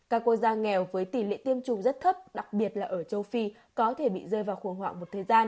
các quốc gia nghèo với tỷ lệ tiêm chủng rất thấp đặc biệt là ở châu phi có thể bị rơi vào khủng hoảng một thời gian